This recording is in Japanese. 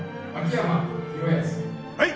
はい。